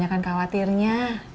gak ada khawatirnya